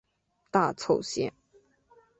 大凑线。